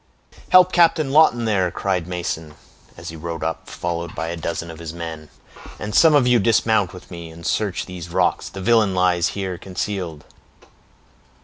"Help Captain Lawton, there!" cried Mason, as he rode up, followed by a dozen of his men; "and some of you dismount with me, and search these rocks; the villain lies here concealed."